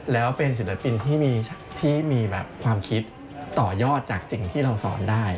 แล้วเป็นศิลปินที่มีความคิดต่อยอดจากสิ่งที่เราสอนได้